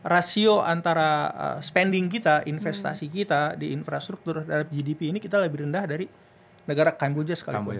rasio antara spending kita investasi kita di infrastruktur gdp ini kita lebih rendah dari negara kamboja sekalipun